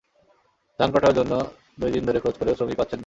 ধান কাটার জন্য দুই দিন ধরে খোঁজ করেও শ্রমিক পাচ্ছেন না।